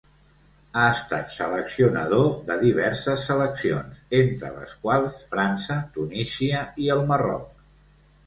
Ha estat seleccionador de diverses seleccions, entre les quals França, Tunísia i el Marroc.